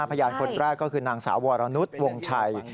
พยานคนแรกก็คือนางสาววรนุษย์วงชัย